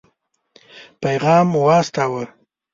پيغام واستاوه.